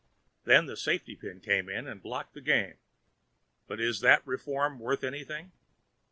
Then the safety pin came in and blocked the game. But is that reform worth anything?